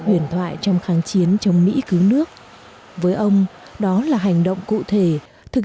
huyền thoại trong kháng chiến chống mỹ cứu nước với ông đó là hành động cụ thể thực